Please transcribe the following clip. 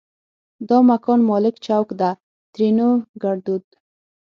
دا مکان مالک چوک ده؛ ترينو ګړدود